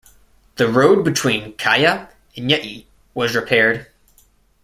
The road between Kaya and Yei was repaired.